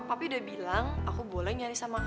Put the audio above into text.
papi udah bilang aku boleh nyari sama kamu